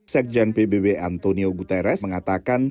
sekjen pbb antonio guterres mengatakan